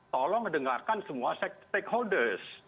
tolong mendengarkan semua stakeholders